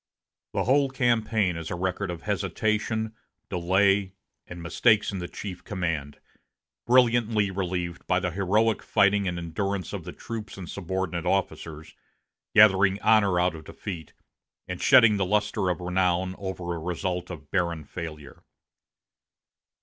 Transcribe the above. The whole campaign is a record of hesitation, delay, and mistakes in the chief command, brilliantly relieved by the heroic fighting and endurance of the troops and subordinate officers, gathering honor out of defeat, and shedding the luster of renown over a result of barren failure.